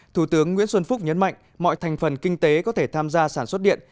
thủ tướng nguyễn xuân phúc nhấn mạnh mọi thành phần kinh tế có thể tham gia sản xuất điện